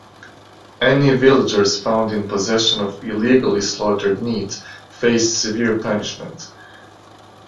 Any villagers found in possession of illegally slaughtered meat faced severe punishment.